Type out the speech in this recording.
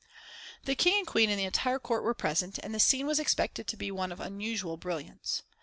The King and Queen and the entire Court were present, and the scene was expected to be one of unusual brilliance.